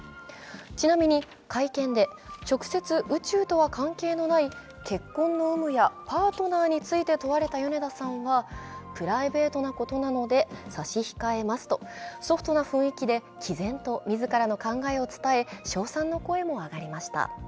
ちなみに会見で、直接宇宙とは関係のない結婚の有無やパートナーについて問われた米田さんはプライベートなことなので差し控えますと、ソフトな雰囲気で毅然と自らの考えを伝え称賛の声も上がりました。